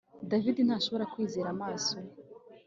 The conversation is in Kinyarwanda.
David ntashobora kwizera amaso ye